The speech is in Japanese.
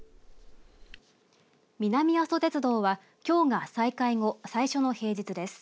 南阿蘇鉄道はきょうが再開後最初の平日です。